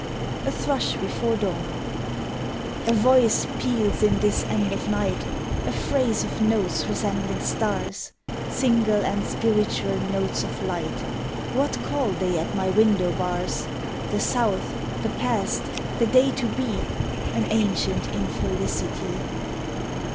A THRUSH BEFORE DAWN A voice peals in this end of night A phrase of notes resembling stars, Single and spiritual notes of light. What call they at my window bars? The South, the past, the day to be, An ancient infelicity.